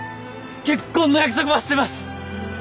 結婚の約束ばしてます！